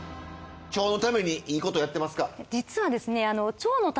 腸のためにいいことやってますか？